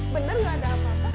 bener gak ada apa apa